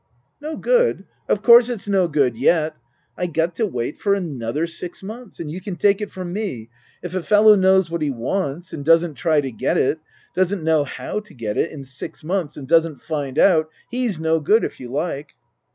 " No good ? Of course it's no good yet. I got to wait for another six months. And you can take it from me, if a fellow knows what he wants, and doesn't try to get it doesn't know how to get it in six months and doesn't find out he's no good, if you like."